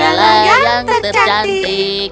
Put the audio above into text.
adalah yang tercantik